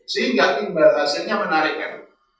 sehingga imbal hasilnya menarik kan